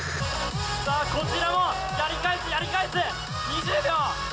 さあ、こちらも、やり返す、やり返す。